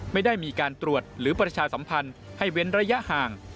ไม่ได้มีการตรวจหรือประชาสัมพันธ์ให้เว้นระยะห่าง